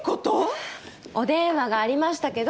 お電話がありましたけど。